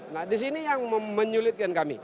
nah di sini yang menyulitkan kami